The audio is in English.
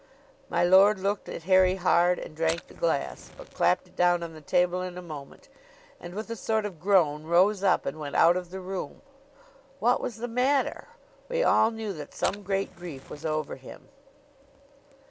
'" My lord looked at Harry hard, and drank the glass, but clapped it down on the table in a moment, and, with a sort of groan, rose up, and went out of the room. What was the matter? We all knew that some great grief was over him.